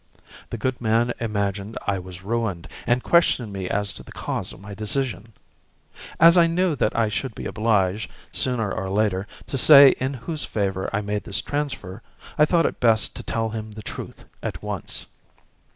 The good man imagined I was ruined, and questioned me as to the cause of my decision. As I knew that I should be obliged, sooner or later, to say in whose favour I made this transfer, I thought it best to tell him the truth at once.